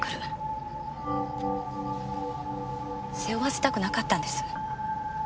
背負わせたくなかったんです。